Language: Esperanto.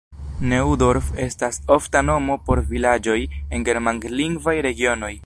Neudorf estas ofta nomo por vilaĝoj en germanlingvaj regionoj.